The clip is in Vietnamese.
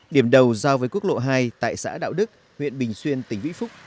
điểm đầu giao với quốc lộ hai tại xã đạo đức huyện bình xuyên tỉnh vĩnh phúc